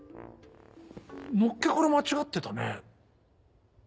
のっけから間違ってたね。